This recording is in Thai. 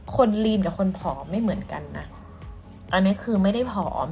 คนแต่คนผอมไม่เหมือนกันอ่ะอันเนี้ยคือไม่ได้ผอม